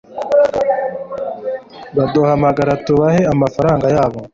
baduhamagara tubahe amafaranga yabo